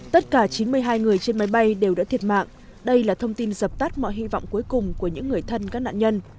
tất cả chín mươi hai người trên máy bay đều đã thiệt mạng đây là thông tin dập tắt mọi hy vọng cuối cùng của những người thân các nạn nhân